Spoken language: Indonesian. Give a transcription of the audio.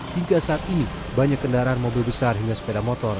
hingga saat ini banyak kendaraan mobil besar hingga sepeda motor